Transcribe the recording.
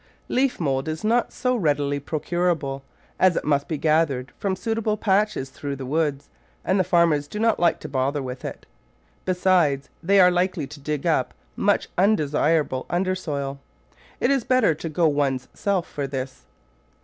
Leaf mould is not so readily procurable, as it must be gathered from suitable patches through the woods, and the farmers do not like to bother with it. Besides, they are likely to dig up much undesirable under soil. It is better to go one's self for this.